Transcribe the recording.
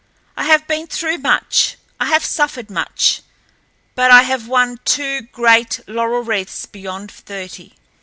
I have been through much—I have suffered much, but I have won two great laurel wreaths beyond thirty.